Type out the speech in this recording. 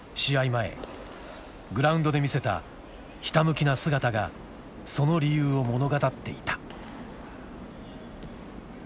前グラウンドで見せたひたむきな姿がその理由を物語っていた。